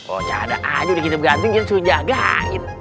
oh ada aja udah kita berganti kita sudah jagain